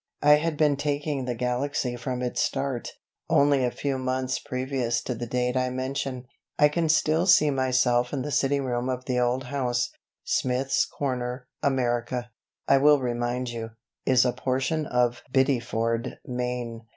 I had been taking "The Galaxy" from its start, only a few months previous to the date I mention. I can still see myself in the sitting room of the old house. Smith's Cor., America, I will remind you, is a portion of Biddeford, Me.